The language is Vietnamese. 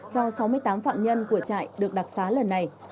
cho sáu mươi tám phạm nhân của trại được đặc xá lần này